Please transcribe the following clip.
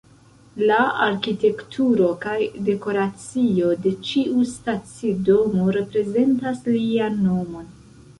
La arkitekturo kaj dekoracio de ĉiu stacidomo reprezentas lian nomon.